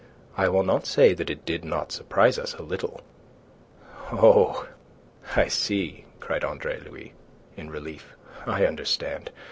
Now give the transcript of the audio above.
I will not say that it did not surprise us a little..." "Oh, I see," cried Andre Louis, in relief. "I understand.